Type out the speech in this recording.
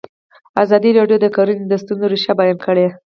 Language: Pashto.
ازادي راډیو د کرهنه د ستونزو رېښه بیان کړې.